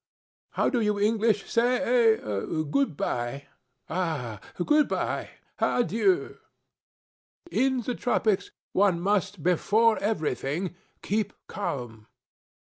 How do you English say, eh? Good by. Ah! Good by. Adieu. In the tropics one must before everything keep calm.'